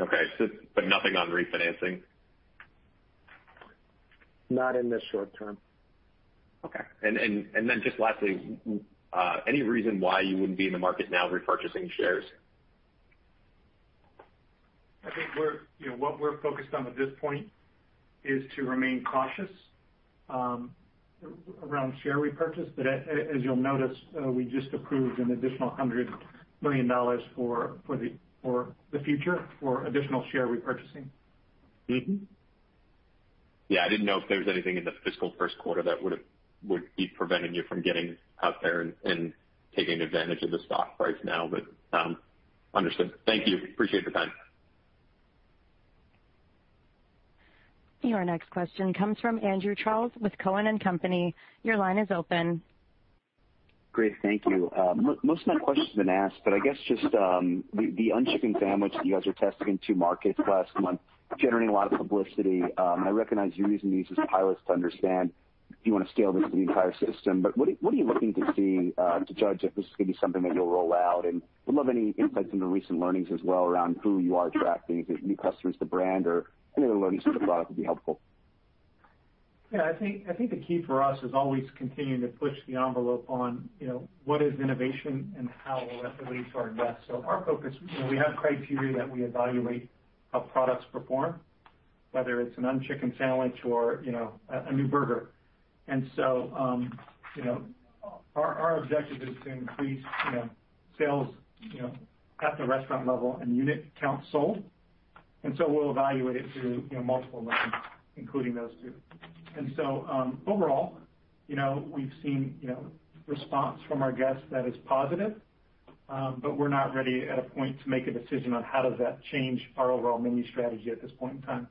Okay. But nothing on refinancing? Not in the short term. Okay. And then just lastly, any reason why you wouldn't be in the market now repurchasing shares? I think what we're focused on at this point is to remain cautious around share repurchase. But as you'll notice, we just approved an additional $100 million for the future for additional share repurchasing. Yeah. I didn't know if there was anything in the fiscal first quarter that would be preventing you from getting out there and taking advantage of the stock price now. But understood. Thank you. Appreciate the time. Your next question comes from Andrew Charles with Cowen and Company. Your line is open. Great. Thank you. Most of my questions have been asked, but I guess just the Unchicken Sandwich that you guys were testing in 2 markets last month, generating a lot of publicity. And I recognize you're using these as pilots to understand if you want to scale this to the entire system. But what are you looking to see to judge if this is going to be something that you'll roll out? And would love any insights into recent learnings as well around who you are attracting. Is it new customers, the brand, or any other learnings from the product would be helpful. Yeah. I think the key for us is always continuing to push the envelope on what is innovation and how will that relate to our investment? So our focus we have criteria that we evaluate how products perform, whether it's an Unchicken Sandwich or a new burger. And so our objective is to increase sales at the restaurant level and unit count sold. And so we'll evaluate it through multiple measures, including those two. And so overall, we've seen response from our guests that is positive. But we're not ready at a point to make a decision on how does that change our overall menu strategy at this point in time.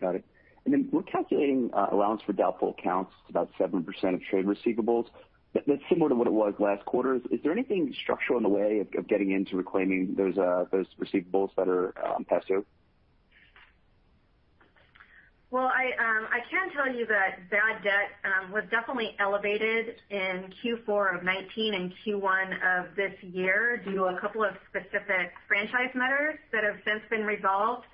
Got it. And then we're calculating allowance for doubtful accounts. It's about 7% of trade receivables. That's similar to what it was last quarter. Is there anything structural in the way of getting into reclaiming those receivables that are past due? Well, I can tell you that bad debt was definitely elevated in Q4 of 2019 and Q1 of this year due to a couple of specific franchise matters that have since been resolved.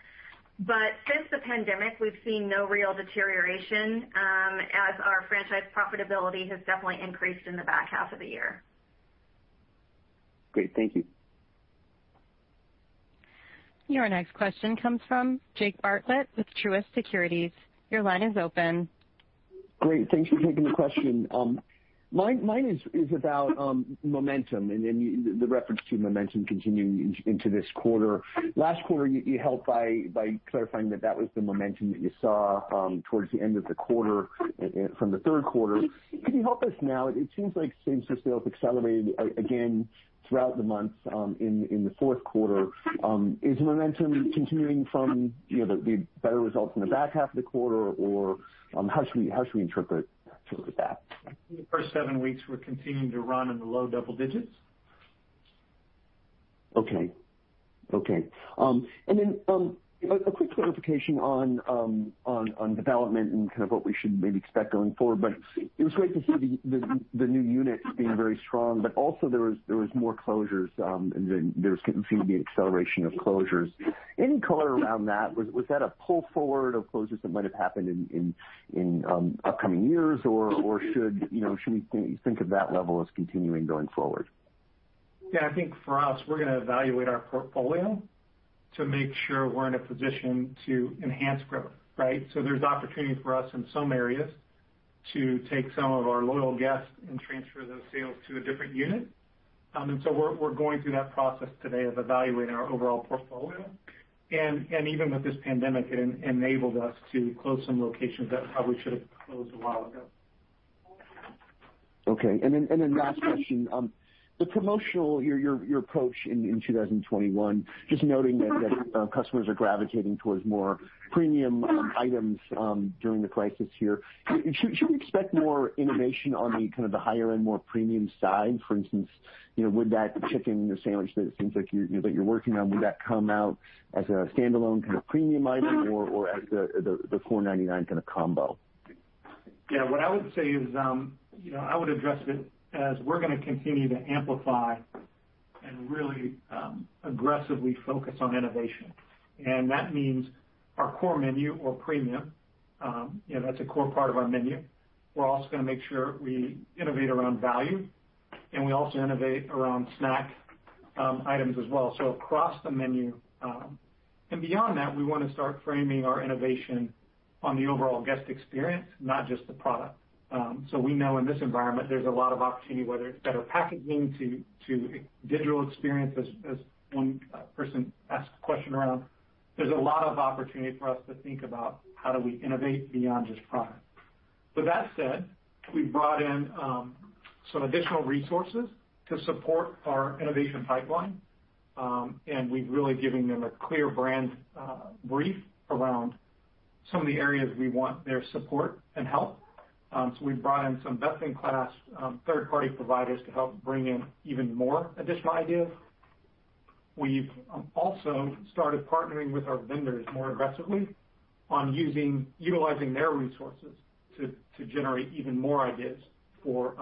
But since the pandemic, we've seen no real deterioration as our franchise profitability has definitely increased in the back half of the year. Great. Thank you. Your next question comes from Jake Bartlett with Truist Securities. Your line is open. Great. Thanks for taking the question. Mine is about momentum and the reference to momentum continuing into this quarter. Last quarter, you helped by clarifying that that was the momentum that you saw towards the end of the quarter from the third quarter. Can you help us now? It seems like sales accelerated again throughout the months in the fourth quarter. Is momentum continuing from the better results in the back half of the quarter, or how should we interpret that? The first seven weeks, we're continuing to run in the low double digits. Okay. Okay. Then a quick clarification on development and kind of what we should maybe expect going forward. It was great to see the new units being very strong. But also, there was more closures, and there seemed to be an acceleration of closures. Any color around that? Was that a pull forward of closures that might have happened in upcoming years, or should we think of that level as continuing going forward? Yeah. I think for us, we're going to evaluate our portfolio to make sure we're in a position to enhance growth, right? So there's opportunity for us in some areas to take some of our loyal guests and transfer those sales to a different unit. And so we're going through that process today of evaluating our overall portfolio. And even with this pandemic, it enabled us to close some locations that probably should have closed a while ago. Okay. And then last question. The promotional, your approach in 2021, just noting that customers are gravitating towards more premium items during the crisis here, should we expect more innovation on kind of the higher-end, more premium side? For instance, would that chicken sandwich that it seems like that you're working on, would that come out as a standalone kind of premium item or as the $4.99 kind of combo? Yeah. What I would say is I would address it as we're going to continue to amplify and really aggressively focus on innovation. And that means our core menu or premium, that's a core part of our menu. We're also going to make sure we innovate around value, and we also innovate around snack items as well. So across the menu and beyond that, we want to start framing our innovation on the overall guest experience, not just the product. So we know in this environment, there's a lot of opportunity, whether it's better packaging to digital experience, as one person asked a question around. There's a lot of opportunity for us to think about how do we innovate beyond just product. With that said, we've brought in some additional resources to support our innovation pipeline. And we've really given them a clear brand brief around some of the areas we want their support and help. So we've brought in some best-in-class third-party providers to help bring in even more additional ideas. We've also started partnering with our vendors more aggressively on utilizing their resources to generate even more ideas for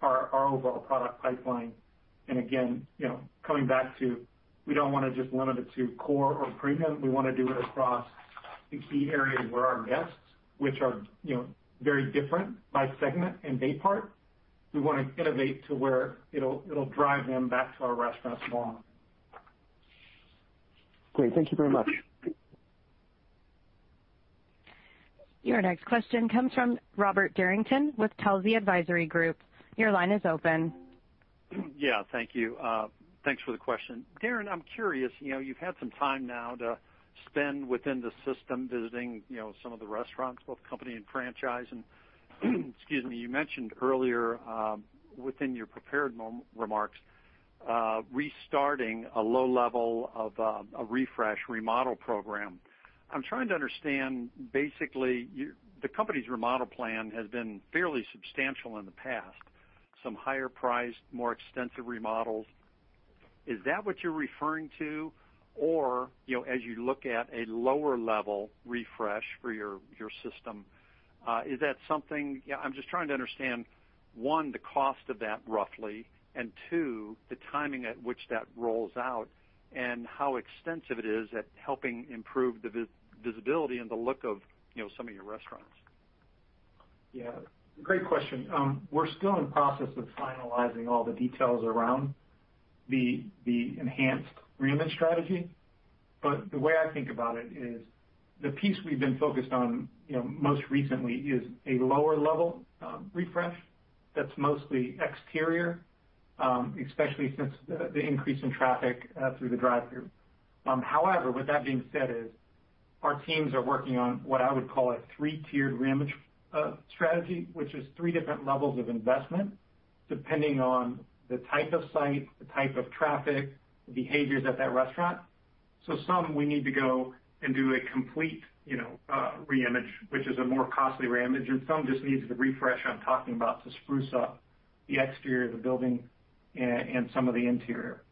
our overall product pipeline. And again, coming back to we don't want to just limit it to core or premium. We want to do it across the key areas where our guests, which are very different by segment and daypart, we want to innovate to where it'll drive them back to our restaurants more. Great. Thank you very much. Your next question comes from Robert Derrington with Telsey Advisory Group. Your line is open. Yeah. Thank you. Thanks for the question. Darin, I'm curious. You've had some time now to spend within the system visiting some of the restaurants, both company and franchise. And excuse me, you mentioned earlier within your prepared remarks restarting a low-level refresh remodel program. I'm trying to understand, basically, the company's remodel plan has been fairly substantial in the past, some higher-priced, more extensive remodels. Is that what you're referring to? Or as you look at a lower-level refresh for your system, is that something I'm just trying to understand, one, the cost of that roughly, and two, the timing at which that rolls out and how extensive it is at helping improve the visibility and the look of some of your restaurants? Yeah. Great question. We're still in the process of finalizing all the details around the enhanced reimage strategy. But the way I think about it is the piece we've been focused on most recently is a lower-level refresh that's mostly exterior, especially since the increase in traffic through the drive-thru. However, with that being said, our teams are working on what I would call a three-tiered reimage strategy, which is three different levels of investment depending on the type of site, the type of traffic, the behaviors at that restaurant. So some, we need to go and do a complete reimage, which is a more costly reimage. And some just needs the refresh I'm talking about to spruce up the exterior of the building and some of the interior.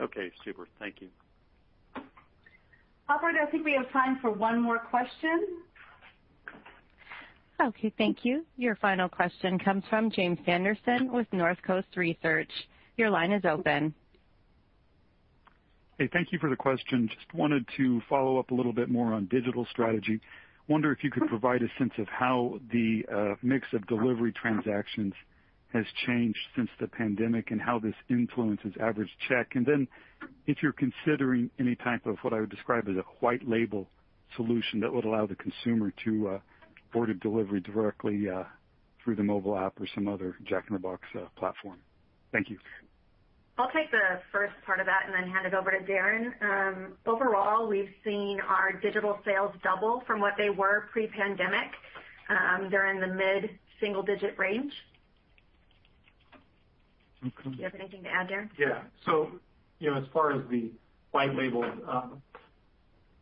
Okay. Super. Thank you. Alfred, I think we have time for one more question. Okay. Thank you. Your final question comes from James Sanderson with North Coast Research. Your line is open. Hey. Thank you for the question. Just wanted to follow up a little bit more on digital strategy. Wonder if you could provide a sense of how the mix of delivery transactions has changed since the pandemic and how this influences average check. And then if you're considering any type of what I would describe as a white-label solution that would allow the consumer to order delivery directly through the mobile app or some other Jack in the Box platform. Thank you. I'll take the first part of that and then hand it over to Darin. Overall, we've seen our digital sales double from what they were pre-pandemic. They're in the mid-single-digit range. Do you have anything to add, Darin? Yeah. So as far as the white-label,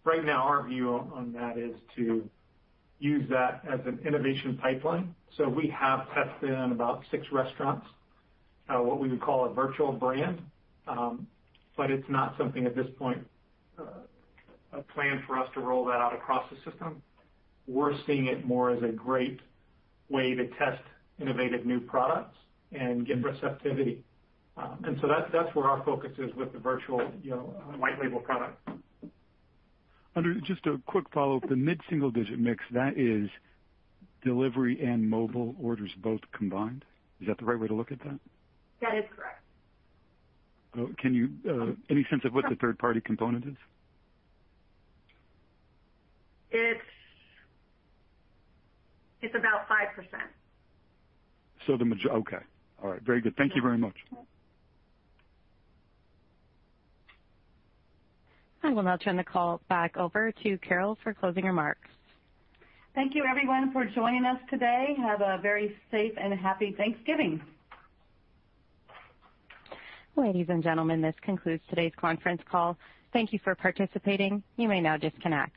right now, our view on that is to use that as an innovation pipeline. So we have tested in about 6 restaurants, what we would call a virtual brand. But it's not something, at this point, a plan for us to roll that out across the system. We're seeing it more as a great way to test innovative new products and get receptivity. And so that's where our focus is with the virtual white-label product. Just a quick follow-up. The mid-single-digit mix, that is delivery and mobile orders both combined? Is that the right way to look at that? That is correct. Any sense of what the third-party component is? It's about 5%. Okay. All right. Very good. Thank you very much. All right. Well, I'll turn the call back over to Carol for closing remarks. Thank you, everyone, for joining us today. Have a very safe and happy Thanksgiving. Ladies and gentlemen, this concludes today's conference call. Thank you for participating. You may now disconnect.